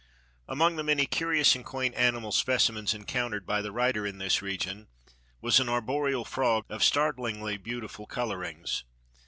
Among the many curious and quaint animal specimens encountered by the writer in this region was an arboreal frog of startlingly beautiful colorings.